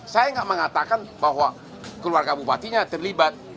saya tidak mengatakan bahwa keluarga bupatinya terlibat